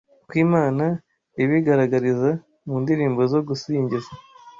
kw’Imana ibigaragariza mu ndirimbo zo gusingiza